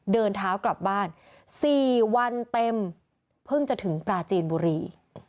เดินเท้ากลับบ้าน๔วันเต็มเพิ่งจะถึงปลาจีนบุรี